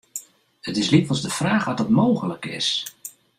It is lykwols de fraach oft dat mooglik is.